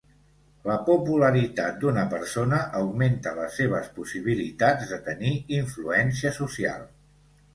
La popularitat d'una persona augmenta les seves possibilitats de tenir influència social.